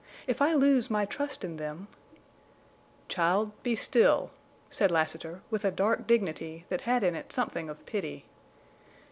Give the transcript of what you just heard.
If I lose my trust in them—" "Child, be still!" said Lassiter, with a dark dignity that had in it something of pity.